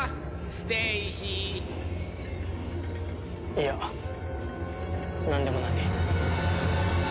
いやなんでもない。